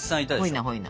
ほいなほいな。